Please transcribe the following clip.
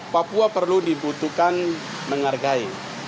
papua perlu dibutuhkan menghargai